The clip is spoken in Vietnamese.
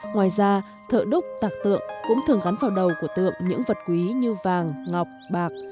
ngoài ra thợ đúc tạc tượng cũng thường gắn vào đầu của tượng những vật quý như vàng ngọc bạc